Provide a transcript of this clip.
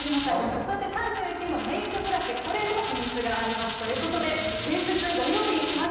そして３１位のメイクブラシ、これも秘密がありますということで現物、ご用意しました。